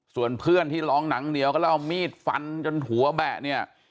ส่วนเพื่อนที่ร้องหนังเหนียวก็แล้วเอามีดฟันจนหัวแบะเนี่ย